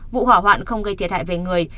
vụ hỏa hoạn không gây thiệt hại về người